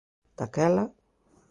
Daquela?